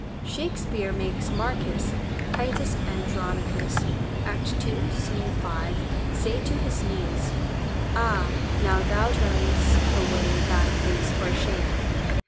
Shakspeare makes Marcus ('Titus Andronicus,' act ii, sc. 5) say to his niece, "Ah! now thou turn'st away thy face for shame."